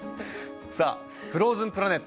さあ「フローズンプラネット」。